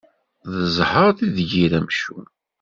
D zheṛ i d yir amcum.